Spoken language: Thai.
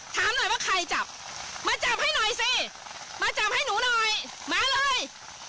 ถามหน่อยว่าใครจับมาจับให้หน่อยสิมาจับให้หนูหน่อยมาเลย